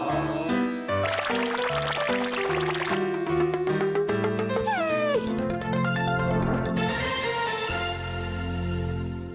โอ้โฮ